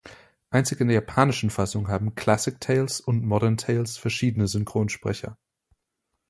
Einzig in der japanischen Fassung haben "Classic Tails" und "Modern Tails" verschiedene Synchronsprecher.